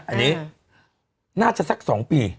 อันนี้น่าจะสัก๒ปี